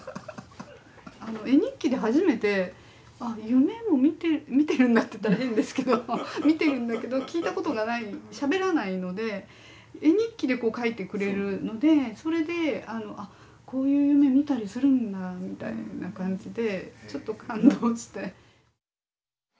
絵日記で初めてあ夢も見てるんだって言ったら変ですけど見てるんだけど聞いたことがないしゃべらないので絵日記でこう描いてくれるのでそれであこういう夢見たりするんだみたいな感じでちょっと感動して。